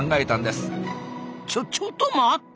ちょちょっと待った！